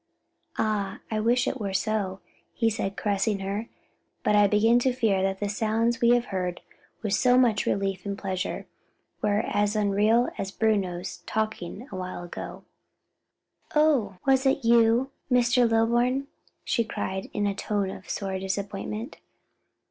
"Ah I wish it were so," he said caressing her, "but I begin to fear that the sounds we have heard with so much relief and pleasure, were as unreal as Bruno's talking a while ago." "Oh, was it you, Mr. Lilburn?" she cried in a tone of sore disappointment.